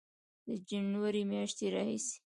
د جنورۍ میاشتې راهیسې